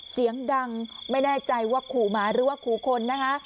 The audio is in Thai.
เสียงดังไม่แน่ใจว่าขู่หมาหรือว่าขู่คนนะคะ